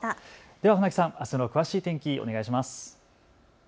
船木さん、あしたの詳しい天気、お願いします。